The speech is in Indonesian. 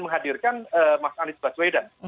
menghadirkan mas anies bas vedan